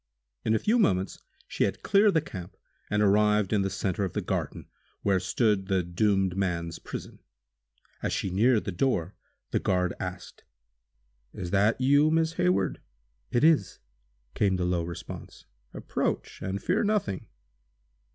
In a few moments she had cleared the camp, and arrived in the center of the garden, where stood the doomed man's prison. As she neared the door, the guard asked: "Is that you, Miss Hayward?" "It is!" came the low response. "Approach and fear nothing."